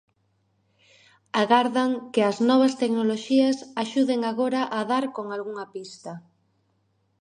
Agardan que as novas tecnoloxías axuden agora a dar con algunha pista.